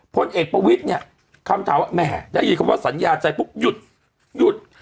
พลเอกประวิทย์เนี่ยคำถามว่าแหมได้ยินคำว่าสัญญาใจปุ๊บหยุดหยุด